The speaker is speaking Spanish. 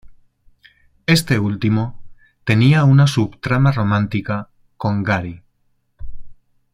Este último tenía una subtrama romántica con Gary.